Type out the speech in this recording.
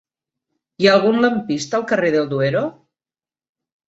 Hi ha algun lampista al carrer del Duero?